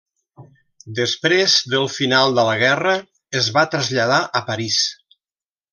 Després del final de la guerra es va traslladar a París.